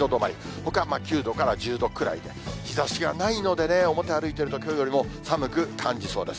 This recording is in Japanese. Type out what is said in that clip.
ほか９度から１０度くらいで、日ざしがないのでね、表歩いていると、きょうよりも寒く感じそうです。